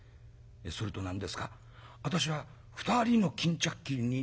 「すると何ですか私は２人の巾着切りに狙われていた？」。